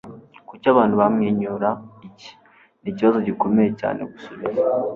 Kuki abantu bamwenyura? Iki nikibazo gikomeye cyane gusubiza.